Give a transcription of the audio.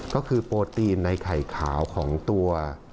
ก็คือโปรตีนในไข่ขาวของตัว